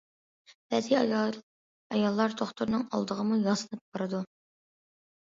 بەزى ئاياللار دوختۇرنىڭ ئالدىغىمۇ ياسىنىپ بارىدۇ.